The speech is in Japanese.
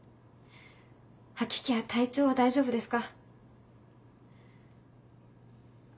吐き気や体調は大丈夫ですか？